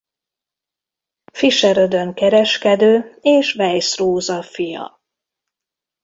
Fischer Ödön kereskedő és Weiss Róza fia.